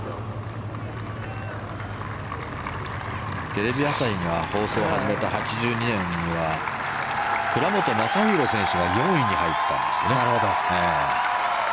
テレビ朝日が放送を始めた８２年には倉本昌弘選手が４位に入ったんですね。